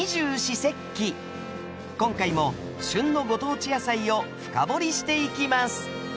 今回も旬のご当地野菜を深掘りしていきます。